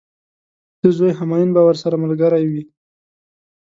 د ده زوی همایون به ورسره ملګری وي.